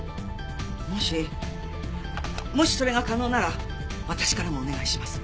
もしもしそれが可能なら私からもお願いします。